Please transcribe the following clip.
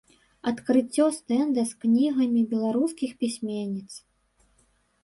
Адкрыццё стэнда з кнігамі беларускіх пісьменніц.